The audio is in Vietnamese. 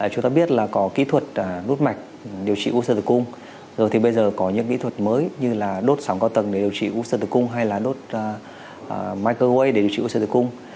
chúng ta biết là có kỹ thuật nút mạch điều trị u sơ tử cung rồi thì bây giờ có những kỹ thuật mới như là đốt sóng cao tầng để điều trị u sơ tử cung hay là đốt microwave để điều trị u sơ tử cung